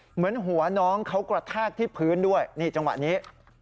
เหมือนหัวน้องเขากระแทกที่พื้นด้วยนี่จังหวะนี้